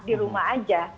di rumah aja